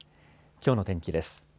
きょうの天気です。